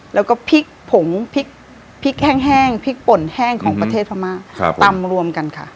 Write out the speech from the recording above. แล้วก็พริกผงพริกแห้งพริกป่นแห้งของประเทศพม่าตำรวมกันค่ะ